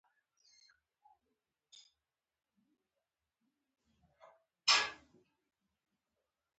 دا شعارونه نه منطقي اساس لري او نه واقعي زمینه